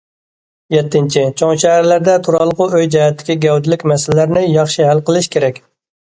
يەتتىنچى، چوڭ شەھەرلەردە تۇرالغۇ ئۆي جەھەتتىكى گەۋدىلىك مەسىلىلەرنى ياخشى ھەل قىلىش كېرەك.